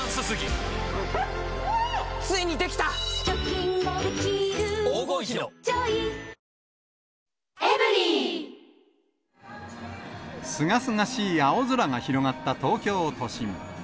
こんな日は、せめて、すがすがしい青空が広がった東京都心。